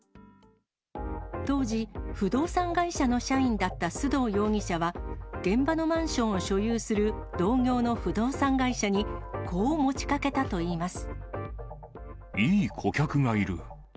当時、不動産会社の社員だった須藤容疑者は、現場のマンションを所有する同業の不動産会社にこう持ちかけたといい顧客がいる。